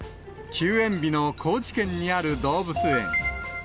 休園日の高知県にある動物園。